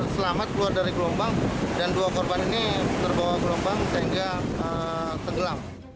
selamat keluar dari gelombang dan dua korban ini terbawa gelombang sehingga tenggelam